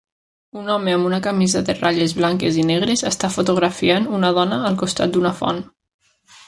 Un home amb una camisa de ratlles blanques i negres està fotografiant una dona al costat d'una font.